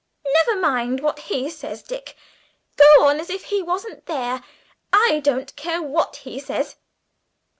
Never mind what he says, Dick; go on as if he wasn't there. I don't care what he says!"